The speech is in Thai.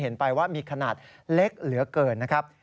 ไปว่ามีขนาดเล็กเหลือเกินนะครับ